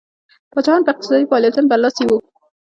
پاچاهان په اقتصادي فعالیتونو برلاسي وو.